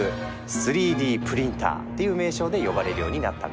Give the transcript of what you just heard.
「３Ｄプリンター」という名称で呼ばれるようになったんだ。